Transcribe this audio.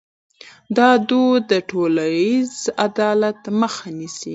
دا دود د ټولنیز عدالت مخه نیسي.